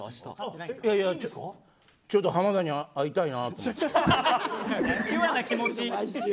ちょっと浜田に会いたいなって思うて。